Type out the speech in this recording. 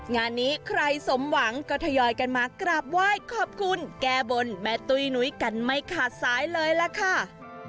งานนี้ใครสมหวังก็ทยอยกันมากราบไหว้ขอบคุณแก้บนแม่ตุ้ยนุ้ยกันไม่ขาดสายเลยล่ะค่ะ